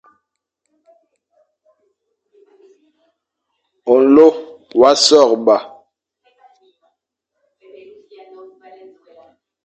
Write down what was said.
Nlô wa sôrba,